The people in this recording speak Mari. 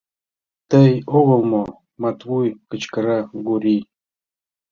Тый огыл мо, Матвуй? — кычкыра Гурий.